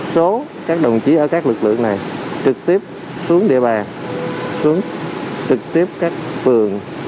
số các đồng chí ở các lực lượng này trực tiếp xuống địa bàn xuống trực tiếp các phường